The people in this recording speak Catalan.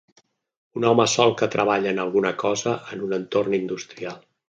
Un home sol que treballa en alguna cosa en un entorn industrial.